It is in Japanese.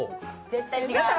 絶対違う！